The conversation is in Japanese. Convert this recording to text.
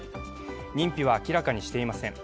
認否は明らかにしていません。